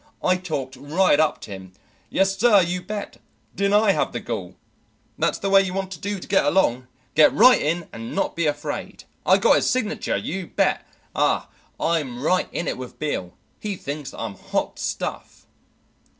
I talked right up to him! Yes, sir; you bet! Didn't I have the gall? That's the way you want to do to get along get right in and not be afraid. I got his signature, you bet. Ah, I'm right in it with Beale; he thinks I'm hot stuff."